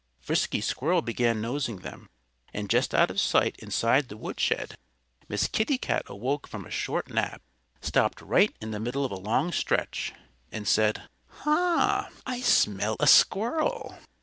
Frisky Squirrel began nosing them. And just out of sight inside the woodshed Miss Kitty Cat awoke from a short nap, stopped right in the middle of a long stretch, and said, "Ha! I smell a squirrel!"